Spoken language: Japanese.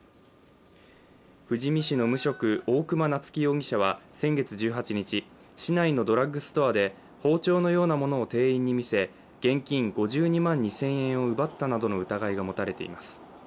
富士見市の無職、大熊菜月容疑者は先月１８日、市内のドラッグストアで包丁のようなものを店員に見せ現金５２万２０００円を奪ったなどの疑いがもたれています。